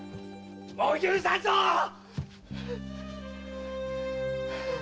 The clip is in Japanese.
もう許さんぞっ‼